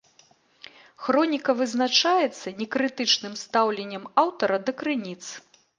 Хроніка вызначаецца некрытычным стаўленнем аўтара да крыніц.